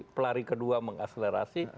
pelari kedua mengakselerasi